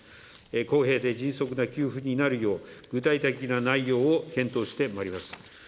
公平で迅速な給付になるよう、具体的な内容を検討してまいります。